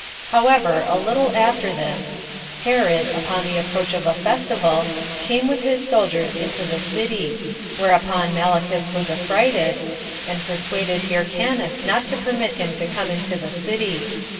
5. However, a little after this, Herod, upon the approach of a festival, came with his soldiers into the city; whereupon Malichus was affrighted, and persuaded Hyrcanus not to permit him to come into the city.